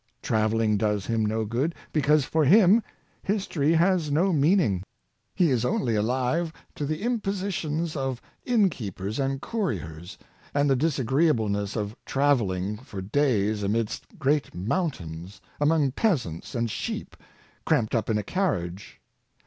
Traveling does him no good, because, for him, history has no meaning. He is only alive to the im positions of innkeepers and couriers, and the disagree ableness of traveling for days amidst great mountains, among peasants and sheep, cramped up in a carriage.